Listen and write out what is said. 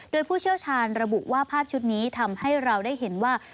โดยผู้เชี่ยวชาญระบุว่าภาพชุดนี้ทำให้เราได้เห็นว่า